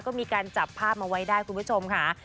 ก็มีการจับภาพมาไว้ได้คุณผู้ชมค่ะ